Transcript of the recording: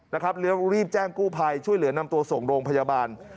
แล้วรีบแจ้งกู้ภัยช่วยเหลือนำตัวส่งโรงพยาบาล